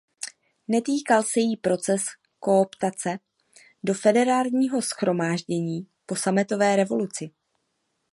Netýkal se jí proces kooptace do Federálního shromáždění po sametové revoluci.